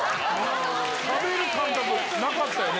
食べる感覚なかったよね。